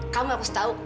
kamu harus tahu